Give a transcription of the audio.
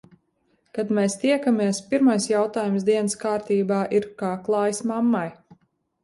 Kad mēs tiekamies, pirmais jautājums dienas kārtībā ir - kā klājas mammai?